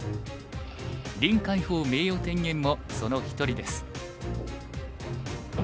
林海峯名誉天元もその一人です。